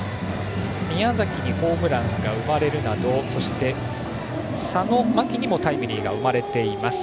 宮崎にホームランが生まれるなどそして佐野、牧にもタイムリーが生まれています。